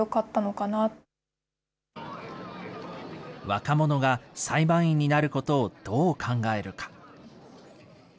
若者が裁判員になることをどう考えるか。